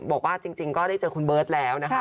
บอกว่าจริงก็ได้เจอคุณเบิร์ตแล้วนะคะ